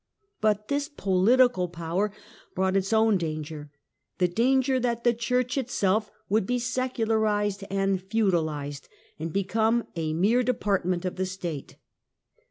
But this political power brought its own danger, the danger that the Church itself would be secularized and feudalized, and become a mere depart ment of the State.